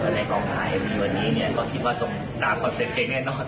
ในกองถ่ายวิดีโอวันนี้เนี่ยก็คิดว่าตรงตามคอนเซ็ปต์เพลงแน่นอน